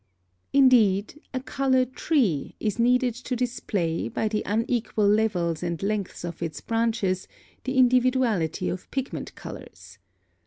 Indeed, a COLOR TREE is needed to display by the unequal levels and lengths of its branches the individuality of pigment colors.